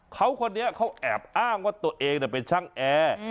เขาคนนี้เขาแอบอ้างว่าตัวเองเป็นช่างแอร์